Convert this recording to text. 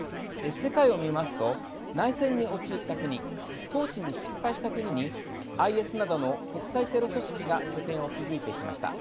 世界を見ますと内戦に陥った国統治に失敗した国にＩＳなどの国際テロ組織が拠点を築いてきました。